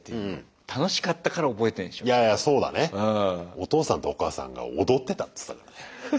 お父さんとお母さんが踊ってたっつったからね。